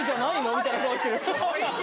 みたいな顔してる。